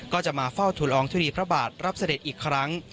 ก็จะมาเฝ้าทุลองทุลีพระบาทรับเสด็จอีกครั้ง